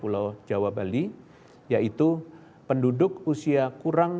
atau pusat perdagangan di wilayah jakarta bandung semarang